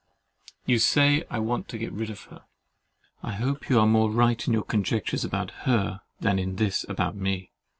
You say I want to get rid of her. I hope you are more right in your conjectures about her than in this about me.